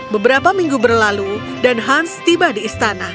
beberapa minggu berlalu dan hans tiba di istana